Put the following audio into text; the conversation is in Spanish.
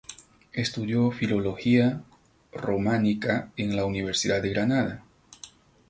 Estudió Filología Románica en la Universidad de Granada.